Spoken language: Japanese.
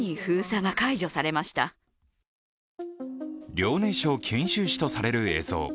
遼寧省錦州市とされる映像。